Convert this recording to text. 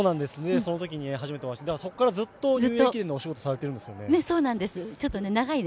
そのときに初めてお会いして、そこからずっとニューイヤー駅伝のお仕事をされているんですよね。